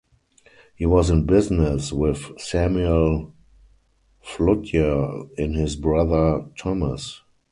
He was in business with Samuel Fludyer and his brother Thomas.